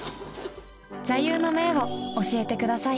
座右の銘を教えてください